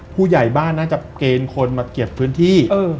ผู้ใหญ่บ้านน่าจะเกณฑ์คนมาเก็บพื้นที่